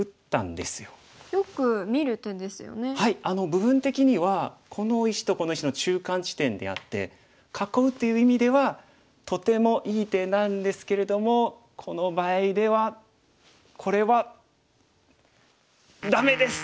部分的にはこの石とこの石の中間地点であって囲うっていう意味ではとてもいい手なんですけれどもこの場合ではこれはダメです！